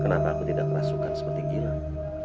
kenapa aku tidak memasukkan seperti gilang